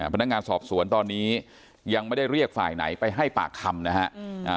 พนักงานสอบสวนตอนนี้ยังไม่ได้เรียกฝ่ายไหนไปให้ปากคำนะฮะ